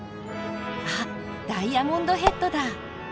あっダイヤモンドヘッドだ。